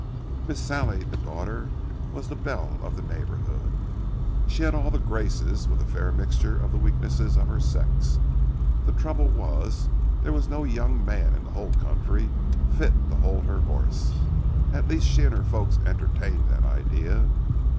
Miss Sallie, the daughter, was the belle of the neighborhood. She had all the graces with a fair mixture of the weaknesses of her sex. The trouble was, there was no young man in the whole country fit to hold her horse. At least she and her folks entertained that idea.